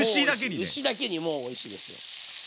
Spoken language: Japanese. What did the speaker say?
牛だけにモーおいしいです。